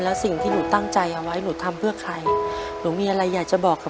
แล้วสิ่งที่หนูตั้งใจเอาไว้หนูทำเพื่อใครหนูมีอะไรอยากจะบอกเขา